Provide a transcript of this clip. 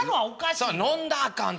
そら飲んだあかんて。